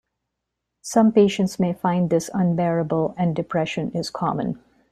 Some patients may find this unbearable and depression is common.